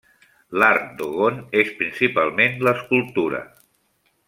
L'art dogon és principalment l'escultura.